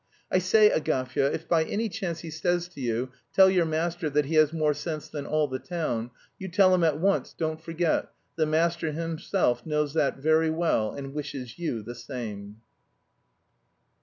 'I say, Agafya, if by any chance he says to you, "Tell your master that he has more sense than all the town," you tell him at once, don't forget, "The master himself knows that very well, and wishes you the same."'"